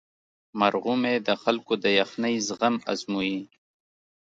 مرغومی د خلکو د یخنۍ زغم ازمويي.